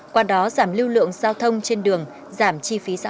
qua đó giảm lưu lượng giao thông trên đường giảm chi phí xã hội